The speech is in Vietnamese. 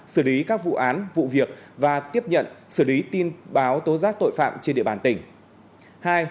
xử lý các vụ án vụ việc và tiếp nhận xử lý tin báo tố giác tội phạm trên địa bàn tỉnh